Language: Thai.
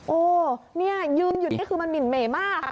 โอ้นี่ยืนอยู่นี่คือมันหิ่นเหม่มากค่ะ